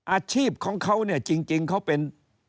อาชีพของเขาเนี่ยจริงเขาเป็น